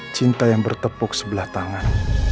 cinta yang bertepuk sebelah tangan